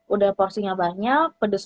udah porsinya banyak pedes